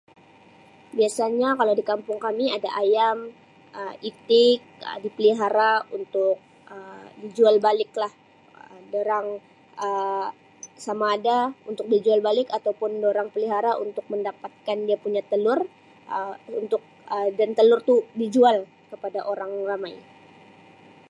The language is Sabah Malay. Biasanya kalau di kampung kami ada ayam, Um itik, Um dipelihara untuk Um dijual baliklah dorang Um samaada untuk dijual balik ataupun dorang pelihara untuk mendapatkan dia punya telur Um untuk Um dan telur tu dijual kepada orang ramai.